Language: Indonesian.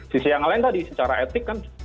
sisi yang lain tadi secara etik kan